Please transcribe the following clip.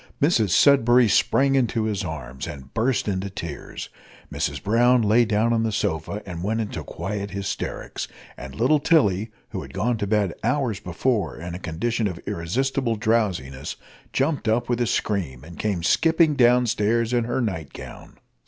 Mrs Sudberry sprang into his arms, and burst into tears; Mrs Brown lay down on the sofa, and went into quiet hysterics; and little Tilly, who had gone to bed hours before in a condition of irresistible drowsiness, jumped up with a scream, and came skipping down stairs in her night gown.